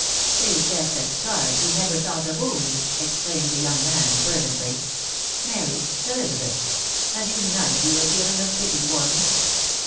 "' They jest at scars who never felt a wound !exclaimed the young man fervently ...." Mary !.... Elisabeth !.... have you none of you a feeling of pity for me